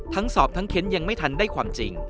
สอบทั้งเค้นยังไม่ทันได้ความจริง